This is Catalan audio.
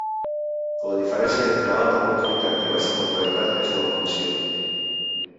La diferència entre alta mortalitat i baixa mortalitat és la vacunació.